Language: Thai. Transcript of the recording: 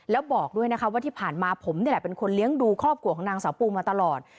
แล้วบอกด้วยนะคะว่าที่ผ่านมาผมนี่แหละเป็นคนเลี้ยงดูครอบครัวของนางสาวปูมาตลอด